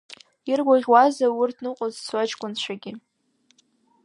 Иргәаӷьуазеи урҭ ныҟәызцо аҷкәынцәагьы…